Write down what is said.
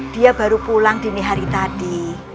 dia baru pulang dini hari tadi